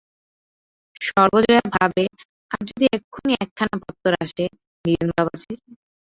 সর্বজয়া ভাবে-আজ যদি এখখুনি একখানা পত্তর আসে নীরেন বাবাজীর?